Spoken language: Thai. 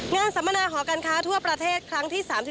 สัมมนาหอการค้าทั่วประเทศครั้งที่๓๔